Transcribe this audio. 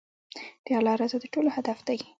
د الله رضا د ټولو هدف دی.